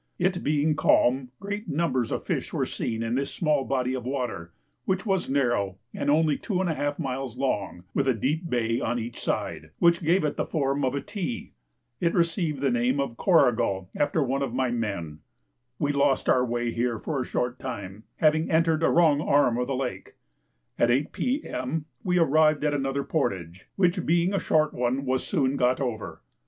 It being calm, great numbers of fish were seen in this small body of water, which was narrow and only two and a half miles long, with a deep bay on each side, which gave it the form of a T. It received the name of Corrigal, after one of my men. We lost our way here for a short time, having entered a wrong arm of the lake. At 8 P.M. we arrived at another portage, which being a short one was soon got over.